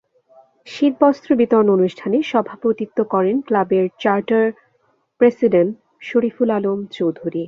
শীতবস্ত্র বিতরণ অনুষ্ঠানে সভাপতিত্ব করেন ক্লাবের চার্টার প্রেসিডেন্ট শরীফুল আলম চৌধুরী।